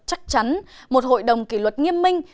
chắc chắn một hội đồng kỷ luật nghiêm minh